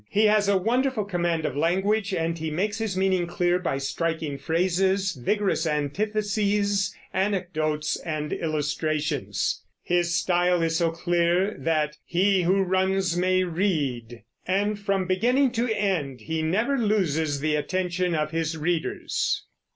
He has a wonderful command of language, and he makes his meaning clear by striking phrases, vigorous antitheses, anecdotes, and illustrations. His style is so clear that "he who runs may read," and from beginning to end he never loses the attention of his readers.